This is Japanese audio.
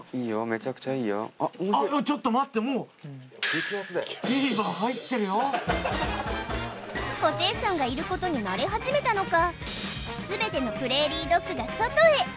めちゃくちゃいいよあっ動いてるあっちょっと待ってもうホテイソンがいることに慣れ始めたのか全てのプレーリードッグが外へ！